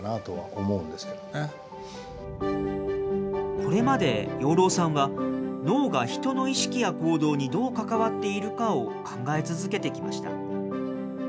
これまで養老さんは、脳が人の意識や行動にどう関わっているかを考え続けてきました。